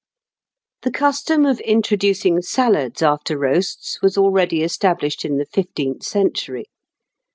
The custom of introducing salads after roasts was already established in the fifteenth century.